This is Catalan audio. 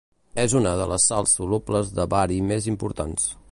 És una de les sals solubles de bari més importants.